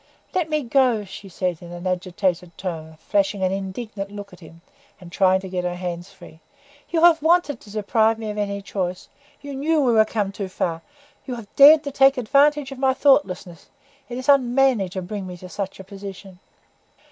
"Let me go!" she said, in an agitated tone, flashing an indignant look at him, and trying to get her hands free. "You have wanted to deprive me of any choice. You knew we were come too far; you have dared to take advantage of my thoughtlessness. It is unmanly to bring me into such a position."